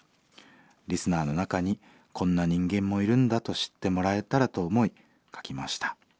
リスナーの中にこんな人間もいるんだと知ってもらえたらと思い書きました。